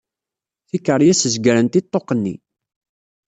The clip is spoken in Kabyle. Tikeṛyas zeggrent i ṭṭuq-nni.